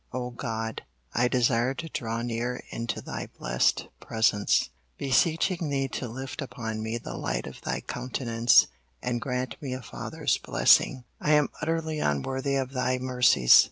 O God, I desire to draw near into Thy blessed presence, beseeching Thee to lift upon me the light of Thy countenance and grant me a Father's blessing. I am utterly unworthy of Thy mercies.